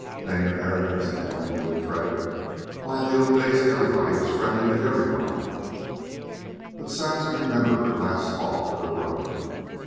"They ain't Americans, damn them," Billy fretted. "Why, in the old days everybody was friendly to everybody." But Saxon remembered her last talk with her brother.